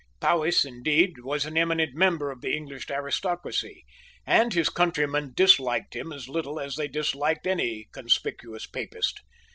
Powis indeed was an eminent member of the English aristocracy; and his countrymen disliked him as little as they disliked any conspicuous Papist.